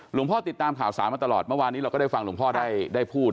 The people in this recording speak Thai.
หลวงพ่อติดตามข่าวสารมาตลอดวันที่นี้เราก็ได้ฟังหลวงพ่อได้พูด